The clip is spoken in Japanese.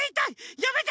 やめて！